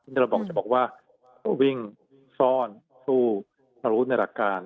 นี่เราจะบอกว่าวิ่งซ่อนสู้รู้ในหลักการ